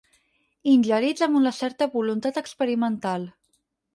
Ingerits amb una certa voluntat experimental.